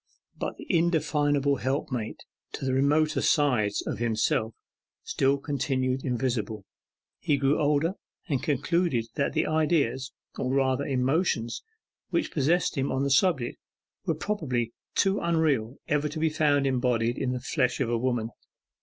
But the indefinable helpmate to the remoter sides of himself still continued invisible. He grew older, and concluded that the ideas, or rather emotions, which possessed him on the subject, were probably too unreal ever to be found embodied in the flesh of a woman.